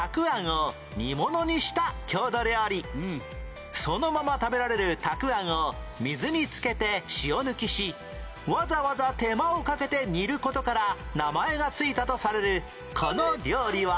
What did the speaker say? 漬物のそのまま食べられるたくあんを水に漬けて塩抜きしわざわざ手間をかけて煮る事から名前がついたとされるこの料理は？